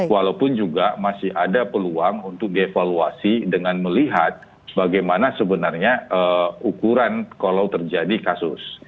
walaupun juga masih ada peluang untuk dievaluasi dengan melihat bagaimana sebenarnya ukuran kalau terjadi kasus